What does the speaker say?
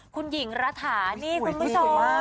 คุณหญิงรัทานี่คุณพี่ส้อ